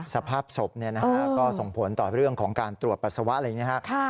สภาพศพก็ส่งผลต่อเรื่องของการตรวจปัสสาวะอะไรอย่างนี้ครับ